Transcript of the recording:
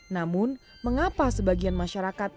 namun mengapa sebagian masyarakat